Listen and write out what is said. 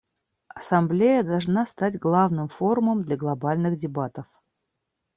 Ассамблея должна стать главным форумом для глобальных дебатов.